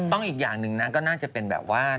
อีกอย่างหนึ่งนะก็น่าจะเป็นแบบว่า